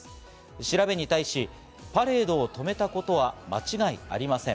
調べに対し、パレードを止めたことは間違いありません。